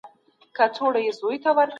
د خوړو مسمومیت د باکټريا له امله منځ ته راځي.